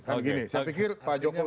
kan gini saya pikir pak jokowi